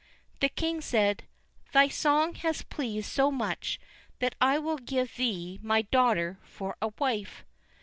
The king said: "Thy song has pleased so much that I will give thee my daughter for a wife."